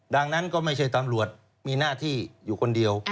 ดังนั้นก็ไม่ใช่ตำรวจมีหน้าที่อยู่คนเดียว